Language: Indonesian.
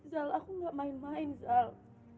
zal aku gak main main zal